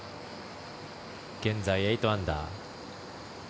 現在、８アンダー。